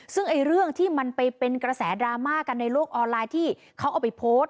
ซึ่งเรื่องที่มันไปเป็นกระแสดราม่ากันในโลกออนไลน์ที่เขาเอาไปโพสต์